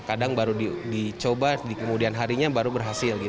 kadang baru dicoba di kemudian harinya baru berhasil